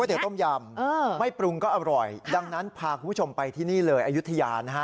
เตี๋ต้มยำไม่ปรุงก็อร่อยดังนั้นพาคุณผู้ชมไปที่นี่เลยอายุทยานะฮะ